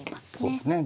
そうですね